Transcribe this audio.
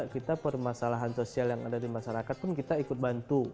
kita permasalahan sosial yang ada di masyarakat pun kita ikut bantu